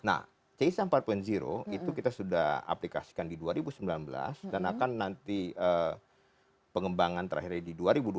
nah c satu empat itu kita sudah aplikasikan di dua ribu sembilan belas dan akan nanti pengembangan terakhirnya di dua ribu dua puluh